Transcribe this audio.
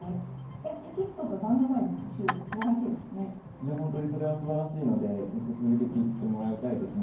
いやほんとにそれはすばらしいのでずっと続けていってもらいたいですね。